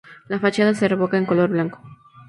La fachada se revoca en color blanco.